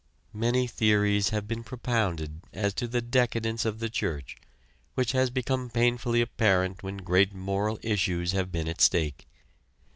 Many theories have been propounded as to the decadence of the church, which has become painfully apparent when great moral issues have been at stake.